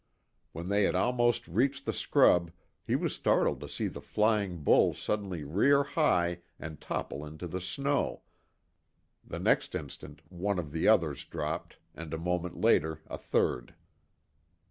When they had almost reached the scrub he was startled to see the flying bull suddenly rear high and topple into the snow, the next instant one of the others dropped, and a moment later a third.